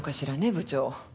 部長。